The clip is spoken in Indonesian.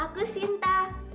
hai aku sinta